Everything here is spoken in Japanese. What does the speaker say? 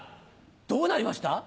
どうなりました？